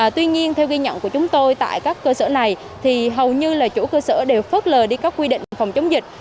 tuy nhiên theo ghi nhận của chúng tôi tại các cơ sở này thì hầu như là chủ cơ sở đều phớt lờ đi các quy định phòng chống dịch